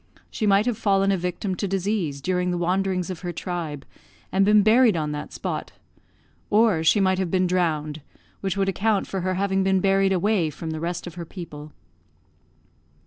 She might have fallen a victim to disease during the wanderings of her tribe, and been buried on that spot; or she might have been drowned, which would account for her having been buried away from the rest of her people.